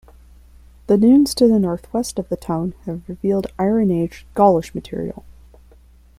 The dunes to the north-west of the town have revealed Iron Age, Gaulish material.